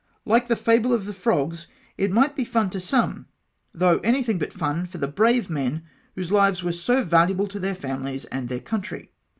Like the fable of the frogs, it might be fun to some, though anything but fun for brave men, whose lives were so valuable to their families and their country.